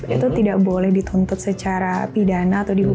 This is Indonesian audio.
itu tidak boleh dituntut secara pidana atau dibunuh